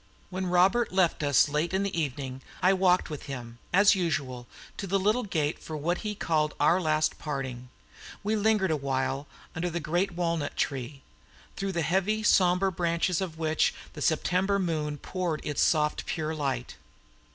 When Robert left us late in the evening, I walked with him, as usual, to the little gate for what he called our last parting; we lingered awhile under the great walnut tree, through the heavy, somber branches of which the September moon poured its soft pure light.